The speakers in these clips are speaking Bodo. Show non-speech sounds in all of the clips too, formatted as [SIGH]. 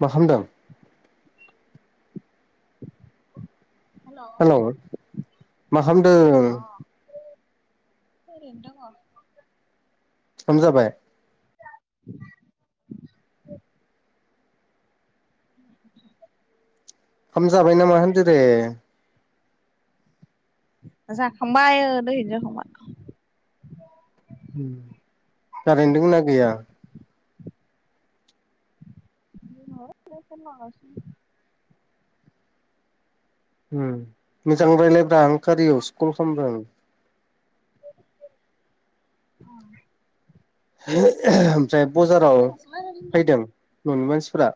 मा खामदों? हेल' मा खामदों? ओरैनो दङ। खाम जाबाय? [INAUDIBLE] हामजाबाय नामा होनदो दे? जाखांबाय ओ दोहैनो जाखांबाय। उम खारेन दोंना गैया? दोङो नै फेन लागासिनो। उम मोजां रायलायब्रा आं कारियायावसो कल खामदों। [UNINTELLIGIBLE] ओमफ्राय ब'जाराव फैदों न'नि मानसिफ्रा?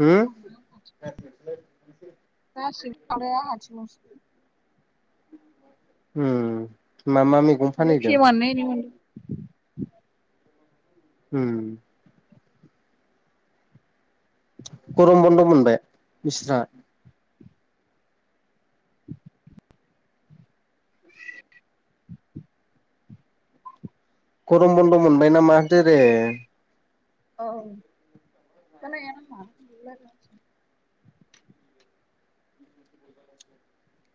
हुम [UNINTELLIGIBLE] उम मामा मि माने फेवाननायनायनि मोनदो। उम गरम बनद मोनबाय बिस्रा? उम गरम बन्द' मोनबाय नामा होनदो रे? [UNINTELLIGIBLE]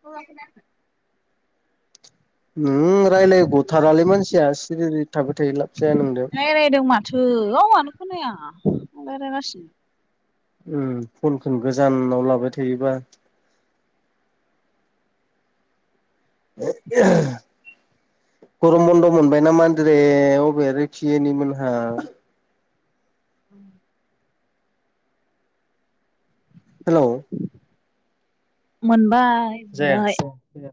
र'लाय खोनायाखै उम रायलायगथारालै मानसिया सिरि थाबाय थायो लाब जाया नोंदो। रायलायदों माथो गावहानो खोनाया रायलायगासिनो। उम फनखौनो गोजानाव लाबाय थायोबा। [UNINTELLIGIBLE] गरम बन्द' मोनबाय नामा होनदोरे अबे रिथियिनि मोनहा उम हेल' मोनबाय। मोनबाय जायाखिसै जाया